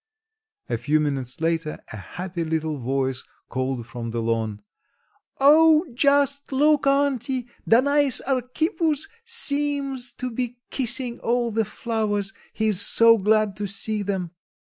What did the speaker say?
A few minutes later a happy little voice called from the lawn, "Oh, just look, auntie, Danais Archippus seems to be kissing all the flowers, he's so glad to see them."